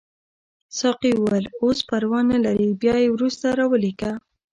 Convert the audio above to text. ساقي وویل اوس پروا نه لري بیا یې وروسته راولېږه.